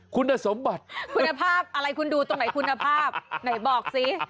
คุณศมบัตรคุณศมบัตรขอโทษพูดผิด